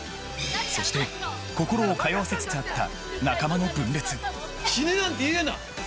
そして心を通わせつつあった仲間の分裂死ねなんて言うな！